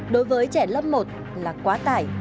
đối với trẻ lớp một là quá tải